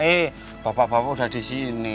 eh bapak bapak udah di sini